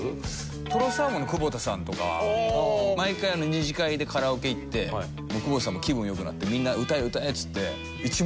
とろサーモンの久保田さんとか毎回２次会でカラオケ行って久保田さんも気分良くなってみんな歌え歌えっつって。